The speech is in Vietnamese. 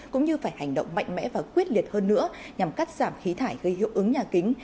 cũng như phải hành động mạnh mẽ và quyết liệt hơn nữa nhằm cắt giảm khí thải gây hiệu ứng nhà kính